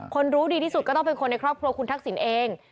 รู้ดีที่สุดก็ต้องเป็นคนในครอบครัวคุณทักษิณเอง